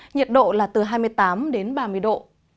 nhiệt độ là từ hai mươi tám đến ba mươi độ